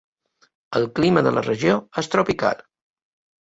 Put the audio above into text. El clima de la regió és tropical.